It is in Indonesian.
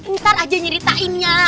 ntar aja nyeritainnya